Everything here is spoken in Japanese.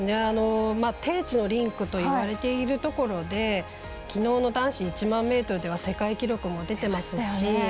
低地のリンクといわれているところできのうの男子１００００ｍでは世界記録も出ていますし。